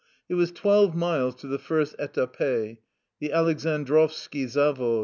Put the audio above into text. It was twelve miles to the first etape, the Aleksdndrovski Zavod.